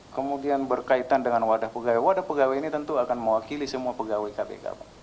kemudian berkaitan dengan wadah pegawai wadah pegawai ini tentu akan mewakili semua pegawai kpk